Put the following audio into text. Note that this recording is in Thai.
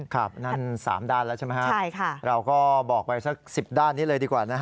ครับนั่น๓ด้านแล้วใช่ไหมครับเราก็บอกไปสัก๑๐ด้านนี้เลยดีกว่านะฮะ